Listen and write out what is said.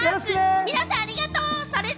皆さん、ありがとう！